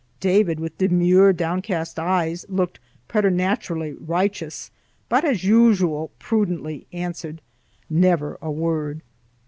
David, with demure, downcast eyes, looked preternaturally righteous, but as usual prudently answered never a word.